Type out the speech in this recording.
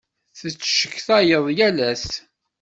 Tecetkayeḍ yal ass.